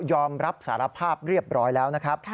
อมรับสารภาพเรียบร้อยแล้วนะครับ